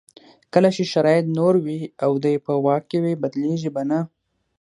کله چې شرایط نور وي او دی په واک کې وي بدلېږي به نه.